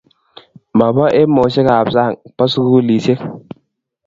ma boo emosiek ab sang boo sukulishek